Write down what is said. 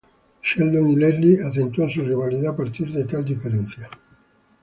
Sheldon y Leslie acentúan su rivalidad a partir de tal diferencia.